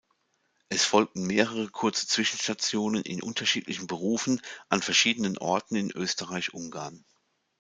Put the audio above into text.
Es folgten mehrere kurze Zwischenstationen in unterschiedlichen Berufen an verschiedenen Orten in Österreich-Ungarn.